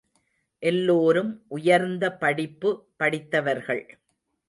எல்லோரும் உயர்ந்த படிப்பு படித்தவர்கள்.